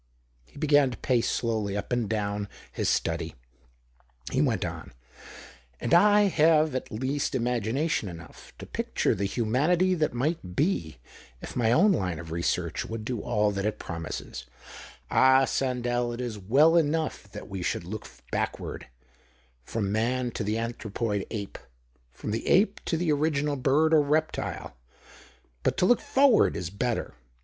He began to pace slowly up and down his study. He went on —" And I have at least imagination enough to picture the humanity that might be, if my own line of research would do all that it promises. Ah, Sandell, it is well enough that THE OCTAVE OF CLAUDIUS. 101 we should look backward — from man to the anthropoid ape, from the ape to the original bird or reptile : but to look forward is better.